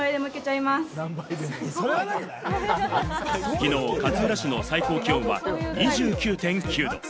きのう勝浦市の最高気温は２９．９度。